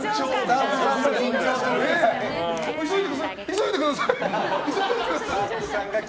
急いでください！